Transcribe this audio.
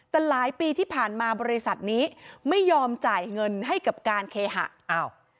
แต่หลายปีที่ผ่านมาบริษัทนี้ไม่ยอมจ่ายเงินให้กับการเคหะอ้าว